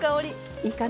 いい感じ？